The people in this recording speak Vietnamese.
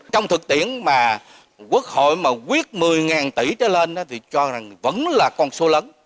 trong thực tiễn mà quốc hội mà quyết một mươi tỷ trở lên thì cho rằng vẫn là con số lớn